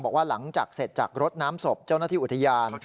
บอกว่าหลังจากเสร็จจากรถน้ำศพเจ้าหน้าที่อุทยาน